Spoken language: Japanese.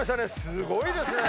すごいですね。